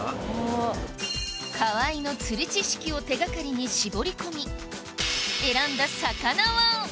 河合の釣り知識を手がかりに絞り込み選んだ魚は？